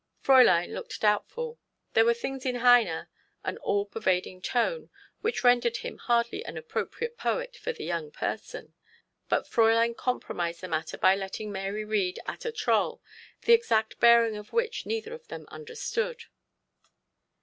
Fräulein looked doubtful. There were things in Heine an all pervading tone which rendered him hardly an appropriate poet for 'the young person.' But Fräulein compromised the matter by letting Mary read Atta Troll, the exact bearing of which neither of them understood.